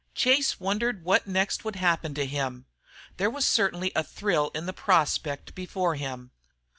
Chase wondered what next would happen to him. There was certainly a thrill in the prospect before him.